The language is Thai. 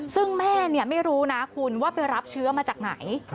ซึ่งแม่ไม่รู้นะคุณว่าไปรับเชื้อมาจากไหน